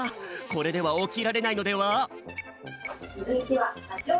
これではおきられないのでは？